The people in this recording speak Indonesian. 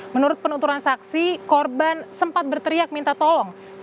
menurut penuturan saksi korban sempat berteriak minta tolong